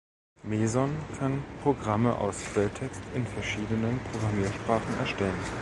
Meson kann Programme aus Quelltext in verschiedenen Programmiersprachen erstellen.